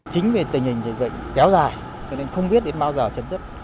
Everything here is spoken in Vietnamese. chính vì tình hình dịch bệnh kéo dài cho nên không biết đến bao giờ chấm dứt